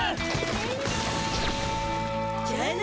じゃあな！